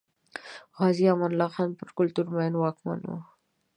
غازي امان الله خان پر کلتور مین واکمن و.